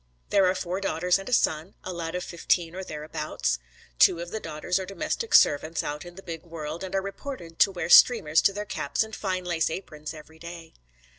There are four daughters and a son, a lad of fifteen or thereabouts. Two of the daughters are domestic servants out in the big world, and are reported to wear streamers to their caps and fine lace aprons every day.